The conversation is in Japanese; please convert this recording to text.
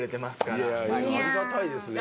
いやいやありがたいですね。